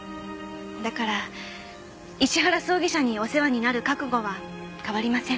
だから石原葬儀社にお世話になる覚悟は変わりません。